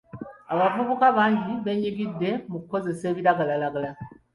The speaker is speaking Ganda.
Abavubuka bangi beenyigidde mu kukozesa ebiragalalagala.